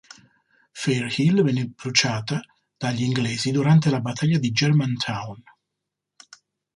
Fair Hill vene bruciata dagli inglesi durante la battaglia di Germantown.